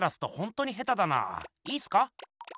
いいすか？